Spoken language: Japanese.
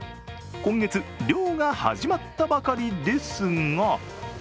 今月、漁が始まったばかりですが。